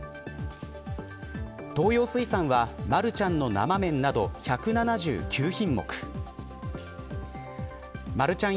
東洋水産はマルちゃんの生麺など１７９品目マルちゃん